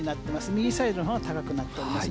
右サイドのほうが高くなってます。